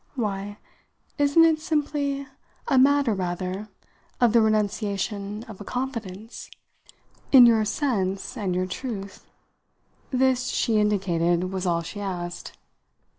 "Why, isn't it simply a matter rather of the renunciation of a confidence?" "In your sense and your truth?" This, she indicated, was all she asked.